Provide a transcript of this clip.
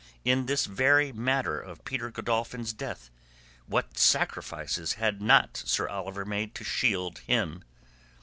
In this very matter of Peter Godolphin's death, what sacrifices had not Sir Oliver made to shield him?